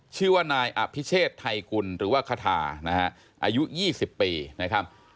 ชื่อว่านายอภิเชษฐ์ไทยกุลหรือว่าคาทาอายุ๒๐ปี